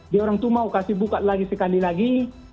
dia orang tuh mau kasih buka lagi sekali lagi